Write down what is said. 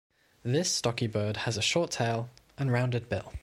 This stocky bird has a short tail and rounded bill.